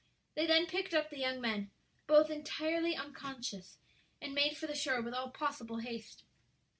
They then picked up the young men, both entirely unconscious, and made for the shore with all possible haste.